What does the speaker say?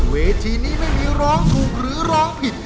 เวทีนี้ไม่มีร้องถูกหรือร้องผิด